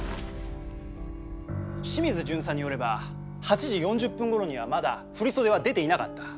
清水巡査によれば８時４０分ごろにはまだ振り袖は出ていなかった。